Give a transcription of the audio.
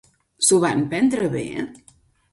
S'ho van prendre bé?